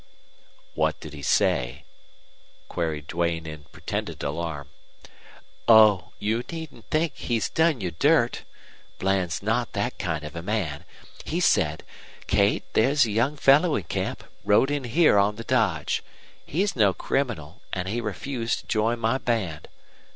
"What did he say?" queried Duane, in pretended alarm. "Oh, you needn't think he's done you dirt Bland's not that kind of a man. He said: 'Kate, there's a young fellow in camp rode in here on the dodge. He's no criminal, and he refused to join my band.